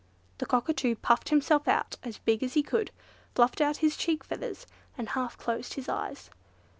The Cockatoo puffed himself out as big as he could, fluffed out his cheek feathers, and half closed his eyes.